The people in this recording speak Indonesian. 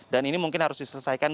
dan ini mungkin harus diselesaikan